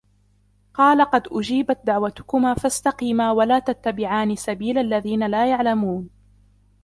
قَالَ قَدْ أُجِيبَتْ دَعْوَتُكُمَا فَاسْتَقِيمَا وَلَا تَتَّبِعَانِّ سَبِيلَ الَّذِينَ لَا يَعْلَمُونَ